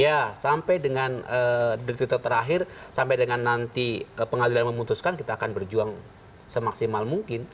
ya sampai dengan detik terakhir sampai dengan nanti pengadilan memutuskan kita akan berjuang semaksimal mungkin